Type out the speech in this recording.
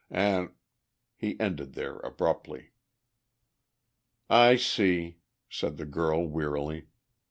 An' ..." He ended there abruptly. "I see," said the girl wearily.